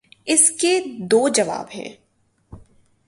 اس کے دو جواب ہیں۔